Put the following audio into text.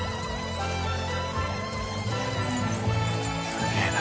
すげえな。